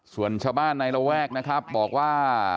ส่วนชาวบ้านในละแวกบอกว่า